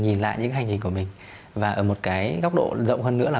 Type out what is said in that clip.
nhìn lại những hành trình của mình và ở một cái góc độ rộng hơn nữa là